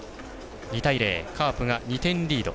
２対０、カープが２点リード。